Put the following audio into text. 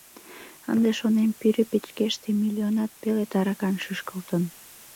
Ынде, шонем, пӱрӧ печкеште миллионат пеле таракан шӱшкылтын.